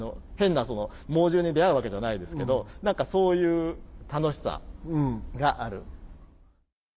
変なその猛獣に出会うわけじゃないですけど何かそういう楽しさがある。